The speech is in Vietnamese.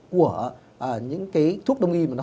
của những cái thuốc đông y mà nó